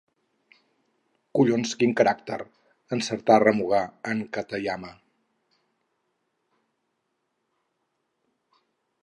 Collons, quin caràcter! —encertà a remugar en Katayama.